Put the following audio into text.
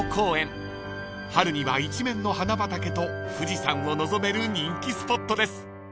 ［春には一面の花畑と富士山を望める人気スポットです］